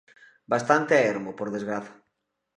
Bastante a ermo, por desgraza.